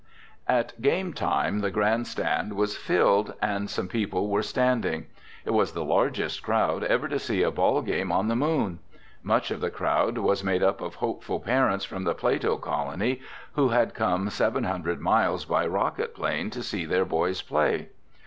At game time the grandstand was filled and some people were standing. It was the largest crowd ever to see a ball game on the Moon. Much of the crowd was made up of hopeful parents from the Plato colony who had come seven hundred miles by rocket plane to see their boys play.